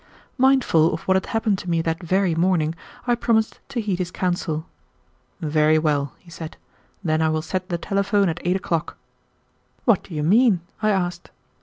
Mindful of what had happened to me that very morning, I promised to heed his counsel. "Very well," he said, "then I will set the telephone at eight o'clock." "What do you mean?" I asked.